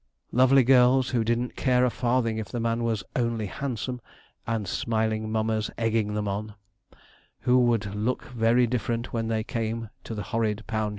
Lovely girls, who didn't care a farthing if the man was 'only handsome'; and smiling mammas 'egging them on,' who would look very different when they came to the horrid £ s.